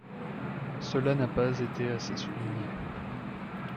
Cela n’a pas été assez souligné.